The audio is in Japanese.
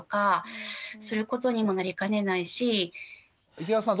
池田さん